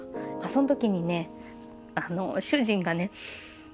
そんときにね主人がね